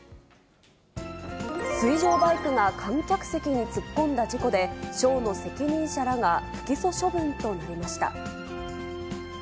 水上バイクが観客席に突っ込んだ事故で、ショーの責任者らが不起訴処分となりました。